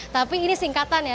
tapi ini singkatan ya